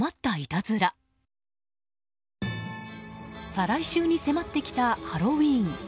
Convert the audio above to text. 再来週に迫ってきたハロウィーン。